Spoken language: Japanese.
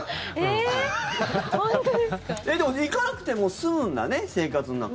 でも、行かなくても済むんだね、生活の中で。